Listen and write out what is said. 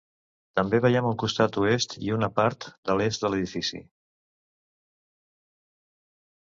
També veiem el costat oest i un apart de l'est de l'edifici.